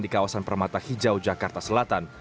di kawasan permata hijau jakarta selatan